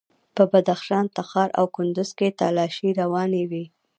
په بدخشان، تخار او کندوز کې تالاشۍ روانې وې.